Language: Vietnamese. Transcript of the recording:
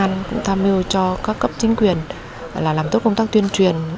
an cũng tham mưu cho các cấp chính quyền là làm tốt công tác tuyên truyền